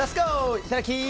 いただき！